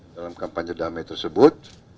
dalam kampanye damai tersebut